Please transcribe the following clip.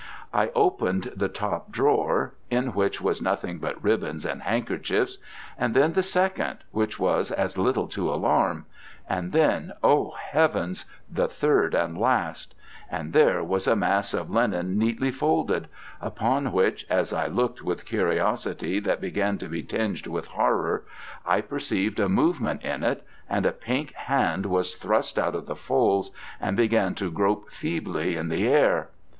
I opened the top drawer, in which was nothing but ribbons and handkerchiefs, and then the second, where was as little to alarm, and then, O heavens, the third and last: and there was a mass of linen neatly folded: upon which, as I looked with curiosity that began to be tinged with horror, I perceived a movement in it, and a pink hand was thrust out of the folds and began to grope feebly in the air.